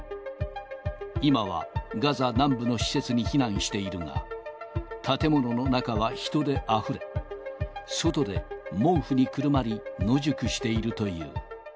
今はガザ南部の施設に避難しているが、建物の中は人であふれ、外で毛布にくるまり、野宿しているという。